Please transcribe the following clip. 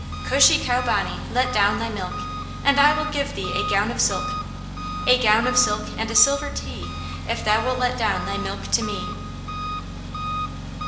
Cushy cow bonny, let down thy milk, And I will give thee a gown of silk; A gown of silk and a silver tee, If thou wilt let down thy milk to me.